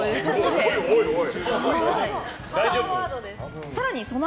おい、おい。